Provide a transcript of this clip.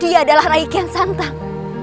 dia adalah rai kian santang